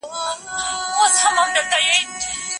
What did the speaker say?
د مېلمستیا پر مهال افغانانو څه وکړل؟